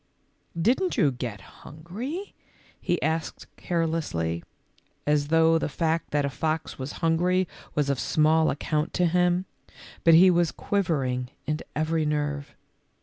"Didn't you get hungry?" he asked care lessly, as though the fact that a fox was hun gry was of small account to him, but he was quivering in every nerve